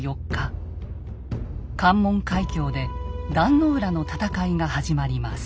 関門海峡で壇の浦の戦いが始まります。